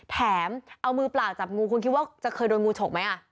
แถมเอามือเปล่าจับงูคุณคิดว่าจะเคยโดนงูฉกไหม